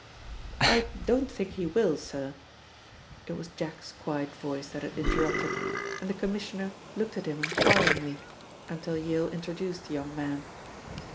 "I don't think he will, sir." It was Jack's quiet voice that had interrupted, and the Commissioner looked at him inquiringly until Yale introduced the young man.